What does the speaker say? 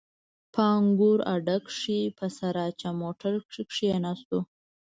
په انګور اډه کښې په سراچه موټر کښې کښېناستو.